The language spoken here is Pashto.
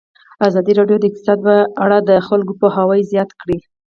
ازادي راډیو د اقتصاد په اړه د خلکو پوهاوی زیات کړی.